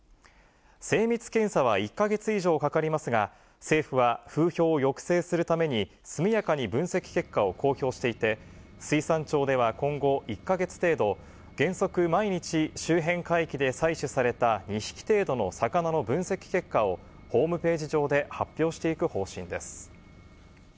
精密検査は１か月以上かかりますが、政府は風評を抑制するために、速やかに分析結果を公表していて、水産庁では今後１か月程度、原則、毎日、周辺海域で採取された２匹程度の魚の分析結果を、ホームページ上で発表していく方針です。